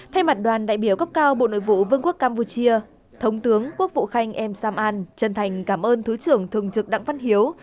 thay mặt đoàn đại biểu cấp cao bộ nội vụ vương quốc campuchia thống tướng quốc vụ khanh em sam an chân thành cảm ơn thứ trưởng thường trực đặng văn hiếu